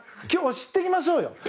今日知っていきましょうよ。